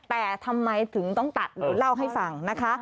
แต่ทำไมถึงต้องตัดหรือเล่าให้ฟังนะคะ